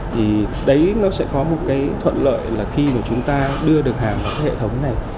thì đấy nó sẽ có một cái thuận lợi là khi mà chúng ta đưa được hàng vào cái hệ thống này